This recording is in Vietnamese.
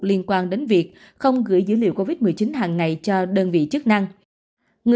liên quan đến việc không gửi dữ liệu covid một mươi chín hàng ngày cho đơn vị chức năng